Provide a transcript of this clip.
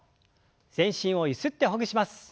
全身をゆすってほぐします。